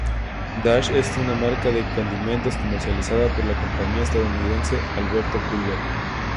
Dash es un marca de condimentos comercializada por la compañía estadounidense Alberto-Culver.